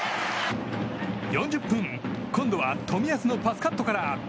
４０分今度は冨安のパスカットから。